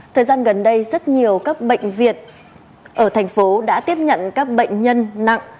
thời gian gần đây rất nhiều các bệnh viện ở thành phố đã tiếp nhận các bệnh nhân nặng